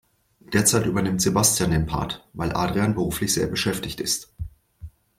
Derzeit übernimmt Sebastian den Part, weil Adrian beruflich sehr beschäftigt ist.